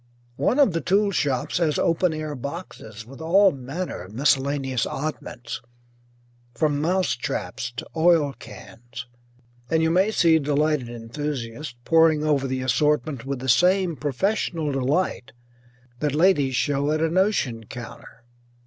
One of the tool shops has open air boxes with all manner of miscellaneous oddments, from mouse traps to oil cans, and you may see delighted enthusiasts poring over the assortment with the same professional delight that ladies show at a notion counter.